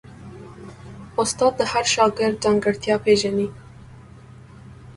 استاد د هر شاګرد ځانګړتیا پېژني.